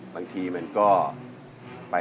สู้ค่ะ